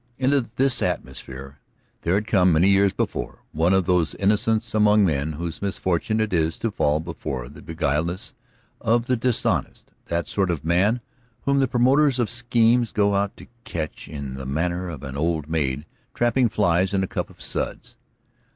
Into this atmosphere there had come, many years before, one of those innocents among men whose misfortune it is to fall before the beguilements of the dishonest; that sort of man whom the promoters of schemes go out to catch in the manner of an old maid trapping flies in a cup of suds.